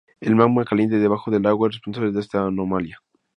El magma caliente debajo del lago es responsable de esta anomalía.